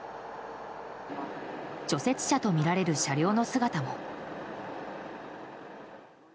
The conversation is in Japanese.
除雪車とみられる車両の姿も。